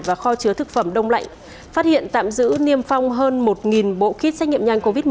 và kho chứa thực phẩm đông lạnh phát hiện tạm giữ niêm phong hơn một bộ kit xét nghiệm nhanh covid một mươi chín